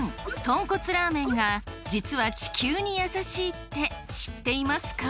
とんこつラーメンが実は地球に優しいって知っていますか？